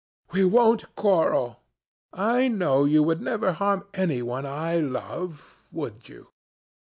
We won't quarrel. I know you would never harm any one I love, would you?"